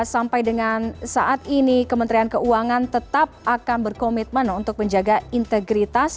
sampai dengan saat ini kementerian keuangan tetap akan berkomitmen untuk menjaga integritas